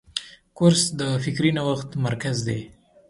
کورس د فکري نوښت مرکز دی.